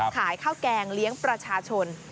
ขายข้าวแกงเลี้ยงประชาชน